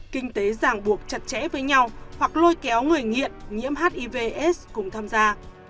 kinh tế giảng buộc chặt chẽ với nhau hoặc lôi kéo người nghiện nhiễm hivs cùng tham gia